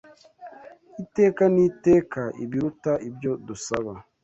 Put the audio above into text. Iteka n’iteka “ibiruta ibyo dusaba,